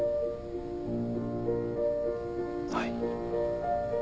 はい。